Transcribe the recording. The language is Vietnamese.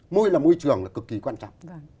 môi là môi trường là cực kỳ quan trọng